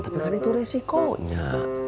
tapi hari itu resikonya